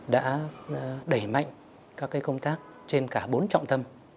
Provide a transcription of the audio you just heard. đã đẩy mạnh các công tác trên cả bốn trọng tâm